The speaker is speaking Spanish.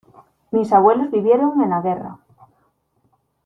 Mis abuelos vivieron en la guerra.